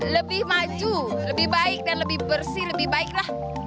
lebih maju lebih baik dan lebih bersih lebih baiklah